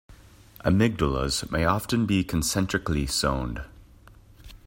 Amygdules may often be concentrically zoned.